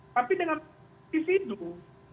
tapi dengan tisi dulu